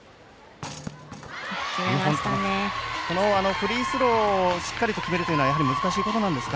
フリースローをしっかり決めるというのはやはり難しいことなんですか？